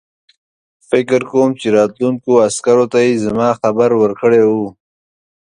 فکر کوم چې راتلونکو عسکرو ته یې زما خبر ورکړی وو.